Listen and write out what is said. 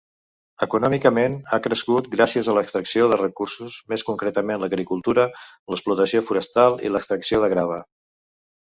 Econòmicament, ha crescut gràcies a l'extracció de recursos, més concretament l'agricultura, l'explotació forestal i l'extracció de grava.